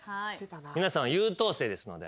皆さんは優等生ですので。